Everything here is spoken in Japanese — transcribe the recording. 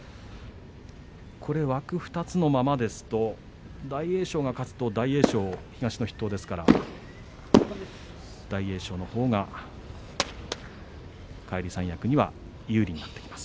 枠２つのままですと大栄翔が勝つと、大栄翔東の筆頭ですから大栄翔のほうが返り三役には有利になってきます。